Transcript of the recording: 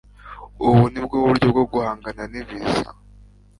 Ubu ni uburyo bwo guhangana n’ibiza